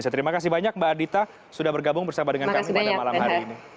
terima kasih banyak mbak adita sudah bergabung bersama dengan kami pada malam hari ini